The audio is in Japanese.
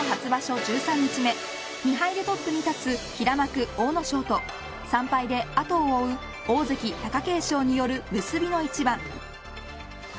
１３日目２敗でトップに立つ平幕、阿武咲と３敗で後を追う大関、貴景勝による結びの一番。